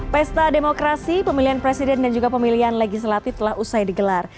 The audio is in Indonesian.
pesta demokrasi pemilihan presiden dan juga pemilihan legislatif telah usai digelar